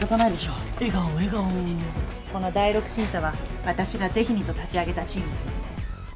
この第六審査は私がぜひにと立ち上げたチームなの。